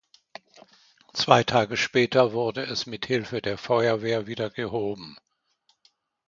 Zwei Tage später wurde es mit Hilfe der Feuerwehr wieder gehoben.